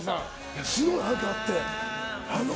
すごい反響あって。